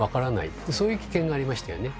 そういう危険がありましたよね。